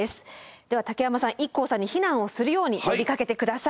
では竹山さんＩＫＫＯさんに避難をするように呼びかけて下さい。